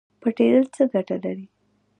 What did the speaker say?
پټیدل څه ګټه لري؟